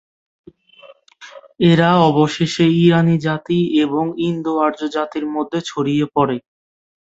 এরা অবশেষে ইরানী জাতি এবং ইন্দো-আর্য জাতির মধ্যে ছড়িয়ে পড়ে।